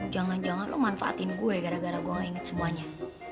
jangan jangan lo manfaatin gue gara gara gue gak inget semuanya